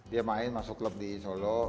dia main masuk klub di solo